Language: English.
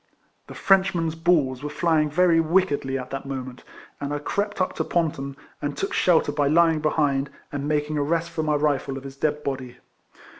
The Freilchmen's balls were fly ing very wickedly at that moment ; and I crept up to Ponton, and took shelter by lying behind, and making a rest for my rifle of his dead body.